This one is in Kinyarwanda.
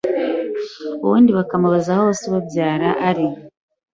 ubundi bakamubaza aho Se ubabyara ari.